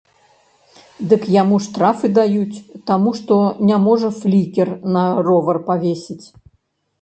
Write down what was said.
Дык яму штрафы даюць, таму што не можа флікер на ровар павесіць.